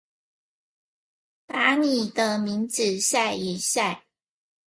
把你的名字曬一曬